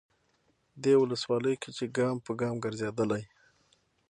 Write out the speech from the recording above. دې ولسوالۍ کې چې ګام به ګام ګرځېدلی،